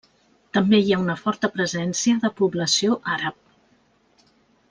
També hi ha una forta presència de població àrab.